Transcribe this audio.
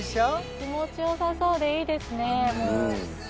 気持ちよさそうでいいですね